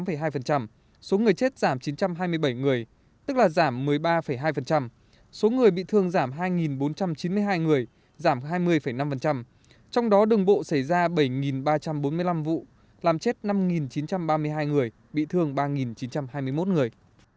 so với một mươi một tháng của năm hai nghìn một mươi chín tai nạn giao thông giảm hai mươi bảy người tức là giảm một mươi ba hai số người bị thương giảm hai bốn trăm chín mươi hai người giảm hai mươi năm trong đó đường bộ xảy ra bảy ba trăm bốn mươi năm vụ làm chết năm chín trăm ba mươi hai người bị thương ba chín trăm hai mươi một người